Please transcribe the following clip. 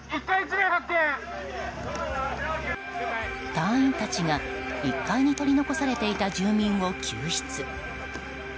隊員たちが、１階に取り残されていた住民を救出。